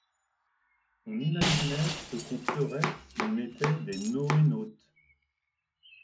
On imaginait ce qu’on ferait si on était des NoéNautes…